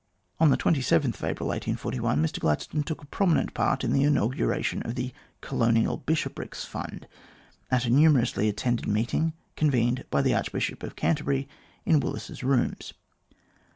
On April 27, 1841, Mr Gladstone took a prominent part in the inauguration of the Colonial Bishoprics Fund, at a numerously attended meeting, convened by the Archbishop of Canterbury, in Willis's Booms.